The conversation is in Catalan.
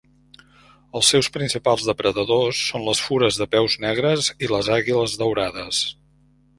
Els seus principals depredadors són les fures de peus negres i les àguiles daurades.